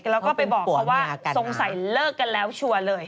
แล้วก็ไปบอกเขาว่าสงสัยเลิกกันแล้วชัวร์เลย